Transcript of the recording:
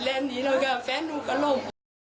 ก็ได้สนใจยัง